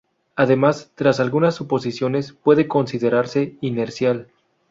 Además, tras algunas suposiciones, puede considerarse inercial.